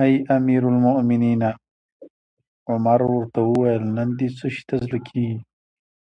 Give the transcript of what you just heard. اې امیر المؤمنینه! عمر ورته وویل: نن دې څه شي ته زړه کیږي؟